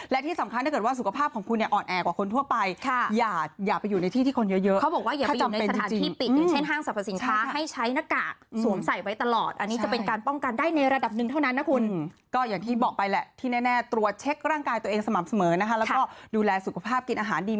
และที่สำคัญถ้าเกิดว่าสุขภาพของคุณเนี่ยอ่อนแอ่กว่าคนทั่วไป